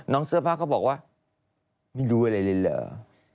เสื้อผ้าเขาบอกว่าไม่รู้อะไรเลยเหรอ